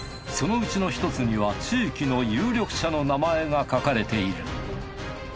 そのうちの１つには地域の有力者の名前が書かれている。